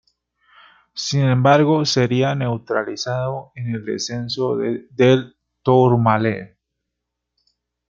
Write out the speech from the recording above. Sin embargo, sería neutralizado en el descenso del Tourmalet.